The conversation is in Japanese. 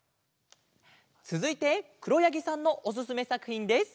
つづいてくろやぎさんのおすすめさくひんです。